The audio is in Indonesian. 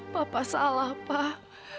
papa salah pak